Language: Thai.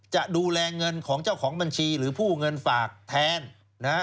จะดูแลเงินของเจ้าของบัญชีหรือผู้เงินฝากแทนนะฮะ